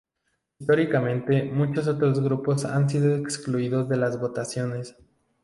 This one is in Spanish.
Históricamente, muchos otros grupos han sido excluidos de las votaciones.